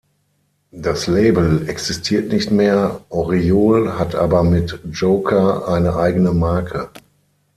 Das Label existiert nicht mehr, Oriol hat aber mit „Joker“ eine eigene Marke.